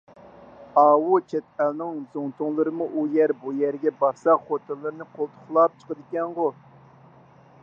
ئاۋۇ چەت ئەلنىڭ زۇڭتۇلىرىمۇ ئۇ يەر – بۇ يەرگە بارسا خوتۇنلىرىنى قولتۇقلاپ چىقىدىكەنغۇ!